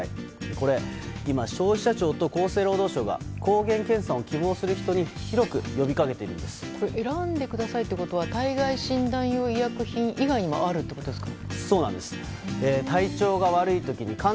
これ、今消費者庁と厚生労働省が抗原検査を希望する人に広く選んでくださいということは体外診断用医薬品以外にもあるということですか？